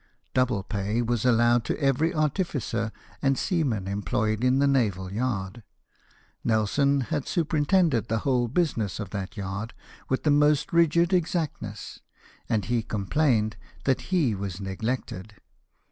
Double pay was allowed to every artificer and seaman employed in the naval yard. Nelson had superintended the whole business of that yard with the most rigid exactness, and he complained that he was neglected.